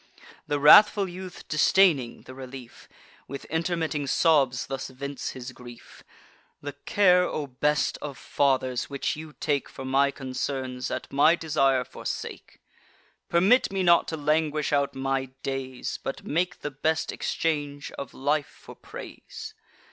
The wrathful youth, disdaining the relief, With intermitting sobs thus vents his grief: "The care, O best of fathers, which you take For my concerns, at my desire forsake. Permit me not to languish out my days, But make the best exchange of life for praise.